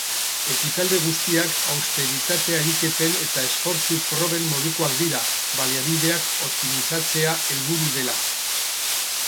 Ekitaldi guztiak austeritate-ariketen eta esfortzu-proben modukoak dira, baliabideak optimizatzea helburu dela.